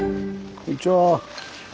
こんにちは。